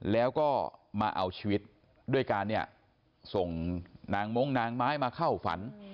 แล้วก็มาเอาชีวิตด้วยการเนี่ยส่งนางมงนางไม้มาเข้าฝัน